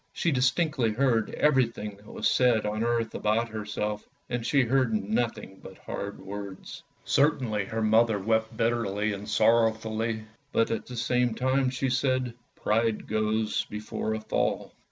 She distinctly heard everything that was said on earth about herself, and she heard nothing but hard words. Certainly her mother wept bitterly and sorrowfully, but at the same time she said, " Pride goes before a fall!